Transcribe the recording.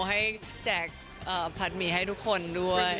ให้แจกผัดหมี่ให้ทุกคนด้วย